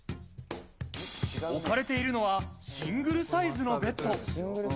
置かれているのは、シングルサイズのベッド。